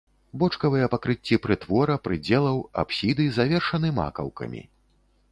Бочкавыя пакрыцці прытвора, прыдзелаў, апсіды завершаны макаўкамі.